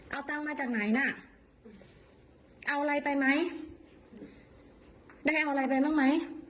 เอาตังค์มาจากไหนน่ะเอาอะไรไปไหมได้เอาอะไรไปบ้างไหม